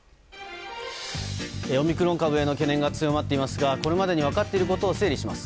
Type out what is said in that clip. オミクロン株への懸念が強まっていますがこれまでに分かっていることを整理します。